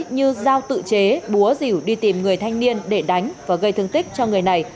như giao tự chế búa dỉu đi tìm người thanh niên để đánh và gây thương tích cho người này